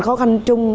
khó khăn chung